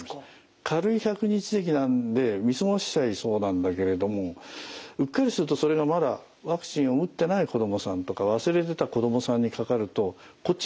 軽い百日ぜきなんで見過ごしちゃいそうなんだけれどもうっかりするとそれがまだワクチンを打ってない子どもさんとか忘れてた子どもさんにかかるとこっちが重症になる。